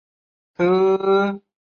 越南北部也有。